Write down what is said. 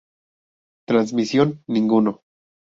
Transmisión: Ninguno.